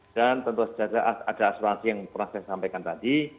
dan tentu saja ada asuransi yang pernah saya sampaikan tadi